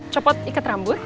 copot ikat rambut